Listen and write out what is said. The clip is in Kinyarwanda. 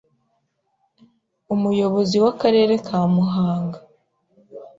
Umuyobozi w’Akarere ka Muhanga